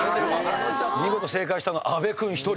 見事正解したのは阿部君１人。